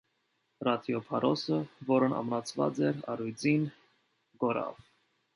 Ռադիոփարոսը, որն ամրացված էր առյուծին, կորավ։